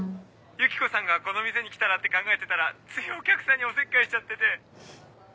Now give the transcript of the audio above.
ユキコさんがこの店に来たらって考えてたらついお客さんにおせっかいしちゃってて。